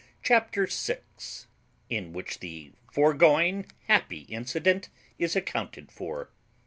CHAPTER SIX IN WHICH THE FOREGOING HAPPY INCIDENT IS ACCOUNTED FOR.